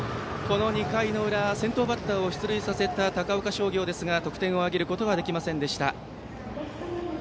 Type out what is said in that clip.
２回の裏、先頭バッターを出塁させた高岡商業ですが得点を挙げることができませんでした。